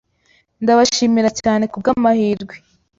Ndabashimira cyane kubwamahirwe.